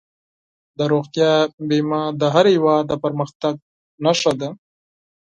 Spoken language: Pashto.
د روغتیا بیمه د هر هېواد د پرمختګ نښه ده.